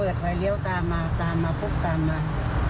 เอ้าปล่อยอีกสักพันธุ์ผมหลบเข้าซ้าย